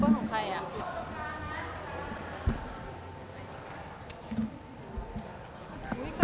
ขอมองกล้องลายเสือบขนาดนี้นะคะ